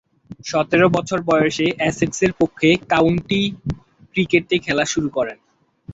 সতেরো বছর বয়সে এসেক্সের পক্ষে কাউন্টি ক্রিকেটে খেলা শুরু করেন।